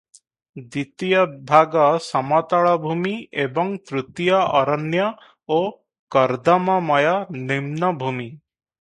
ଦ୍ୱିତୀୟ ଭାଗ ସମତଳଭୂମି ଏବଂ ତୃତୀୟ ଅରଣ୍ୟ ଓ କର୍ଦ୍ଦମମୟ ନିମ୍ନଭୂମି ।